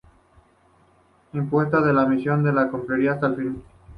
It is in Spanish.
Impuesta la misión, la cumplirá hasta el fin.